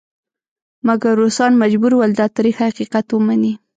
مګر روسان مجبور ول دا تریخ حقیقت ومني.